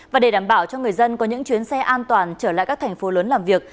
và để đảm bảo cho người dân có những chuyến xe an toàn trở lại các thành phố lớn làm việc